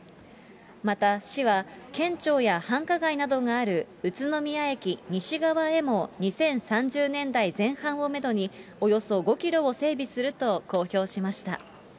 また、市は県庁や繁華街などがある宇都宮駅西側へも、２０３０年代前半をメドに、およそ５キロを整備すると公表しました。